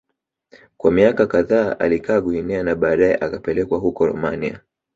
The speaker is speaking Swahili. Kwa miaka kadhaa alikaa Guinea na baadae akapelekwa huko Romania